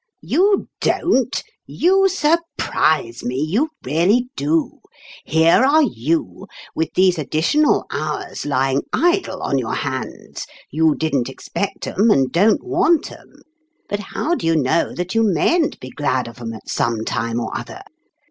" You don't ? You surprise me, you really do ! Here are you, with these additional hours lying idle on your hands ; you didn't expect 'em, and don't want 'em. But how do you know that you mayn't be glad of 'em at some time or other